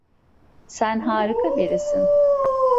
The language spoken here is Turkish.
Sen harika birisin.